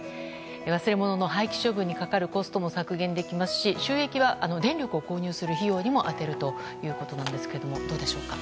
忘れ物の廃棄処分にかかるコストも削減できますし収益は電力を購入する費用にも充てるということですがどうでしょうか。